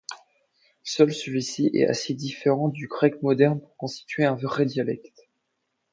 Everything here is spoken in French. Seul celui-ci est assez différent du grec moderne pour constituer un vrai dialecte.